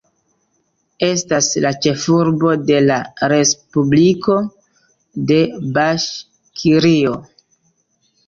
Estas la ĉefurbo de la respubliko de Baŝkirio.